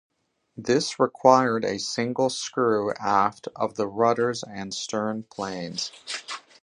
This required a single screw aft of the rudders and stern planes.